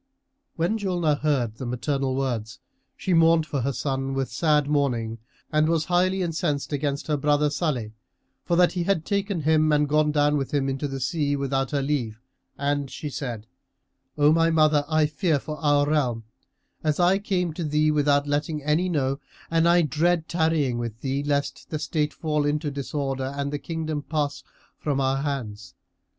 When Julnar heard the maternal words, she mourned for her son with sad mourning and was highly incensed against her brother Salih for that he had taken him and gone down with him into the sea without her leave; and she said, "O my mother, I fear for our realm; as I came to thee without letting any know; and I dread tarrying with thee, lest the state fall into disorder and the kingdom pass from our hands.